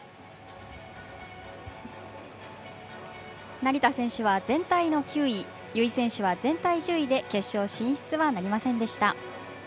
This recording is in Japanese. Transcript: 成田選手は全体の９位由井選手は全体１０位で決勝進出はなりませんでした。